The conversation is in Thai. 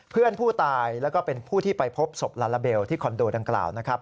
เพื่อนผู้ตายแล้วก็เป็นผู้ที่ไปพบศพลาลาเบลที่คอนโดดังกล่าวนะครับ